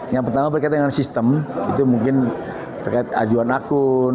yang pertama berkaitan dengan sistem itu mungkin terkait ajuan akun